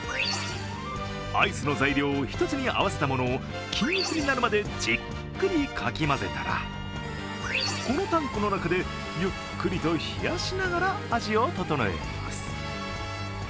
アイスの材料を１つに合わせたものを均一になるまでじっくりかき混ぜたら、このタンクの中で、ゆっくりと冷やしながら味を調えます。